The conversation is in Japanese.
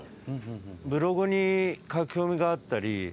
ブログに書き込みがあったり。